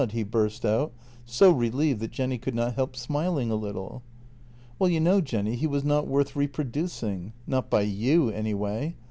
" he burst out, so relieved that Jenny could not help smiling a little. "Well, you know, Jenny, he was not worth reproducing — not by you anyway.